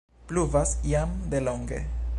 Pluvas jam de longe.